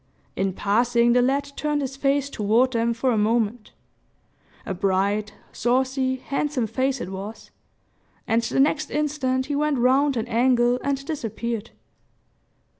In passing, the lad turned his face toward them for a moment a bright, saucy, handsome face it was and the next instant he went round an angle and disappeared.